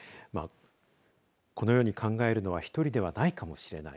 このように考えるのは１人ではないかもしれない。